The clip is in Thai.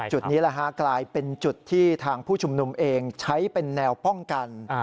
จุดนี้กลายเป็นจุดที่ทางผู้ชุมนุมเองใช้เป็นแนวป้องกัน